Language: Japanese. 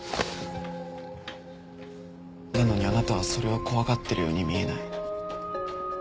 なのにあなたはそれを怖がってるように見えない。